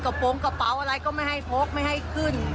โปรงกระเป๋าอะไรก็ไม่ให้พกไม่ให้ขึ้น